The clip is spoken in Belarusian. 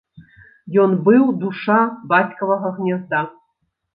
Ён быў душа бацькавага гнязда.